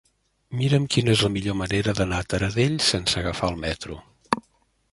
Mira'm quina és la millor manera d'anar a Taradell sense agafar el metro.